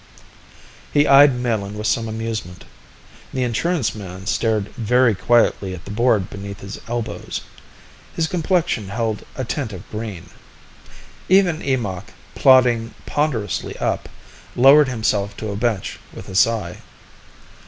He eyed Melin with some amusement. The insurance man stared very quietly at the board beneath his elbows. His complexion held a tint of green. Even Eemakh, plodding ponderously up, lowered himself to a bench with a sigh.